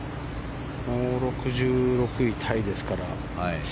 これで６６位タイですから。